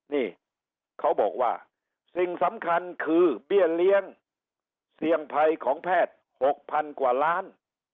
นี่เขาบอกว่าสิ่งสำคัญคือเบี้ยเลี้ยงเสี่ยงภัยของแพทย์๖๐๐๐กว่าล้าน